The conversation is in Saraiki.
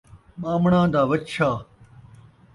ٻامݨاں دا وچھا